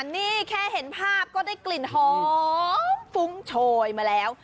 นี่แค่เห็นภาพก็ได้กลิ่นหอมฟุ้งโชยมาแล้ว